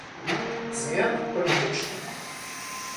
Zmian Politycznych